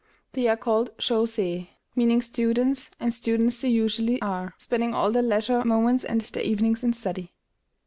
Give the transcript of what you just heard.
They are called Sho séi, meaning students, and students they usually are, spending all their leisure moments and their evenings in study.